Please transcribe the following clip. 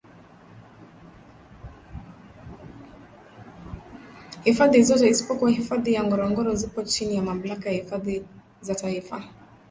hifadhi zote isipokuwa hifadhi ya ngorongoro zipo chini ya Mamlaka ya hifadhi za taifa